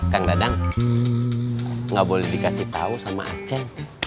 kang dadang gak boleh dikasih tau sama a ceng